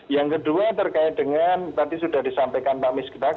yang kedua terkait dengan tadi sudah disampaikan pak miskita